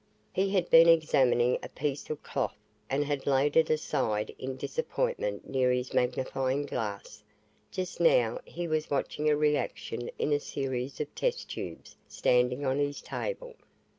He had been examining a piece of cloth and had laid it aside in disappointment near his magnifying glass. Just now he was watching a reaction in a series of test tubes standing on his table.